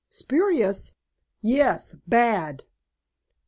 "Spurious!" "Yes, bad.